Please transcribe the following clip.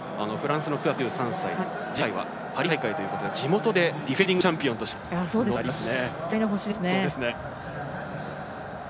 フランスのクアクは２３歳で次回はパリ大会ということで今度は地元でディフェンディングチャンピオンとして臨むことになりますね。